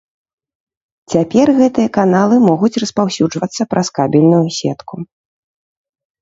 Цяпер гэтыя каналы могуць распаўсюджвацца праз кабельную сетку.